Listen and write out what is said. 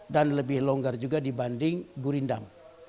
dan lebih longgar juga dibanding gurindam